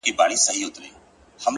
اخلاص د اړیکو ریښې کلکوي،